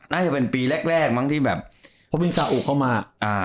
น่าจะเป็นปีแรกมั้งที่พบเป็นซ่าอุเข้ามา